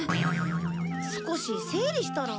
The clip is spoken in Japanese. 少し整理したら？